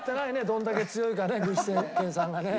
どんだけ強いかね具志堅さんがね。